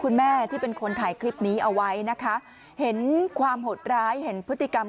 คุณผู้ชมไปดูคลิปต้นเรื่องกันกันกันกันก่อนค่ะ